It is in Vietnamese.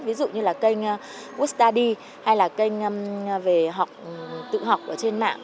ví dụ như là kênh wood study hay là kênh về học tự học ở trên mạng